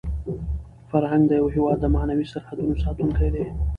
فرهنګ د یو هېواد د معنوي سرحدونو ساتونکی دی.